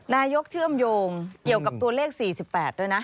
เชื่อมโยงเกี่ยวกับตัวเลข๔๘ด้วยนะ